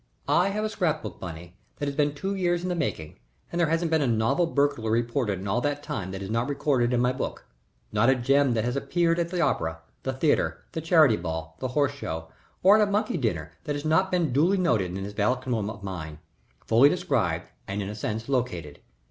I have a scrap book, Bunny, that has been two years in the making, and there hasn't been a novel burglary reported in all that time that is not recorded in my book, not a gem that has appeared at the opera, the theatre, the Charity Ball, the Horse Show, or a monkey dinner that has not been duly noted in this vademecum of mine, fully described and in a sense located.